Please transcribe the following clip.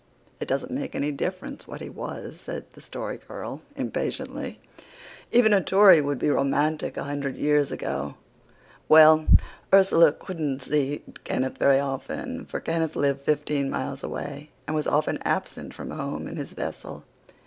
"It doesn't make any difference what he was," said the Story Girl impatiently. "Even a Tory would be romantic a hundred years ago. Well, Ursula couldn't see Kenneth very often, for Kenneth lived fifteen miles away and was often absent from home in his vessel.